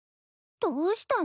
どうしたの？